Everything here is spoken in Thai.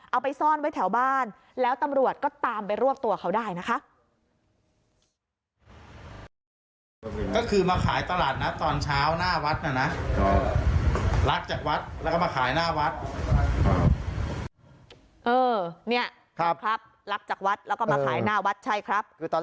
เอาไปซ่อนไว้แถวบ้านแล้วตำรวจก็ตามไปรวบตัวเขาได้นะคะ